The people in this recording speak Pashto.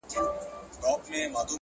کور مي د بلا په لاس کي وليدی!!